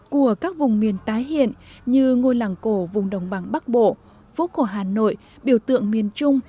của các vùng miền tái hiện như ngôi làng cổ vùng đồng bằng bắc bộ phố cổ hà nội biểu tượng miền trung